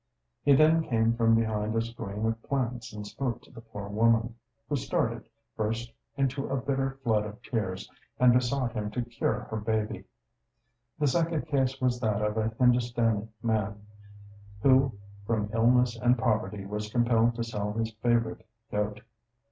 He then came from behind a screen of plants and spoke to the poor woman, who started, burst into a bitter flood of tears, and besought him to cure her baby. The second case was that of a Hindustani man, who from illness and poverty was compelled to sell his favourite goat.